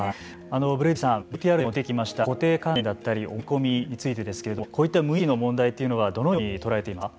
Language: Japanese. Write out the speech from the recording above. ブレイディさんＶＴＲでも出てきました固定観念だったり思い込みについてですけれどもこういった無意識の問題というのはどのように捉えていますか。